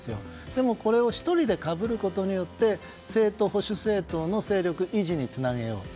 でもこれを１人で被ることによって保守政党の勢力維持につなげようと。